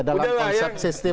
dalam konsep sistem